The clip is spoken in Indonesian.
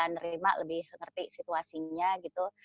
nerima lebih ngerti situasinya gitu